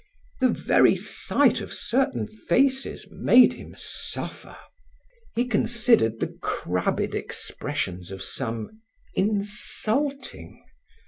The very sight of certain faces made him suffer. He considered the crabbed expressions of some, insulting.